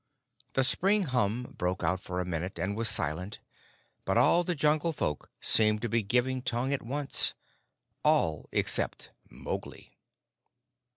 The spring hum broke out for a minute, and was silent, but all the Jungle Folk seemed to be giving tongue at once. All except Mowgli.